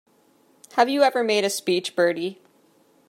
Have you ever made a speech, Bertie?